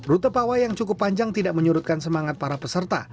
rute pawai yang cukup panjang tidak menyurutkan semangat para peserta